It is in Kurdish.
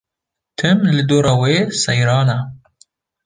Tim li dor wê seyran e.